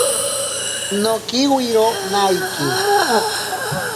Nokiwiro naiki.